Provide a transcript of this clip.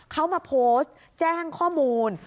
เขามาโพสต์แจ้งข้อมูล